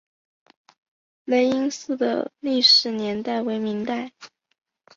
雷音寺的历史年代为明代。